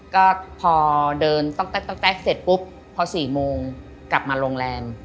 ก็พอเดินต๊อกแก๊กเสร็จปุ๊บพอ๔โมงกลับมาโรงแรม